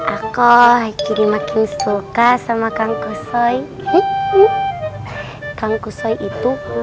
aku akhirnya makin sulka sama kangkusoy kangkusoy itu